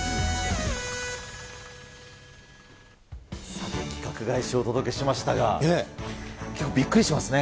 さて、規格外史をお届けしましたが、びっくりしますね。